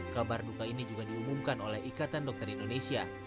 kabar duka ini juga diumumkan oleh ikatan dokter indonesia